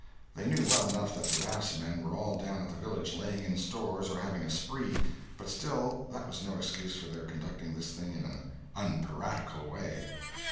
They knew well enough that the raftsmen were all down at the village laying in stores or having a spree, but still that was no excuse for their conducting this thing in an unpiratical way.